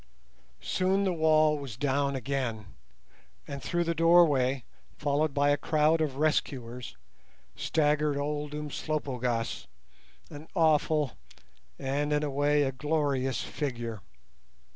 Soon the wall was down again, and through the doorway, followed by a crowd of rescuers, staggered old Umslopogaas, an awful and, in a way, a glorious figure.